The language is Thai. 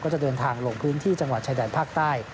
จะเดินทางลงพื้นที่จังหวัดชายแดนภาคใต้